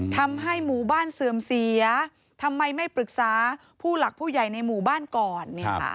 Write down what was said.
ทำให้หมู่บ้านเสื่อมเสียทำไมไม่ปรึกษาผู้หลักผู้ใหญ่ในหมู่บ้านก่อน